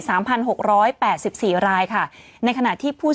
พันหกร้อยแปดสิบสี่รายค่ะในขณะที่ผู้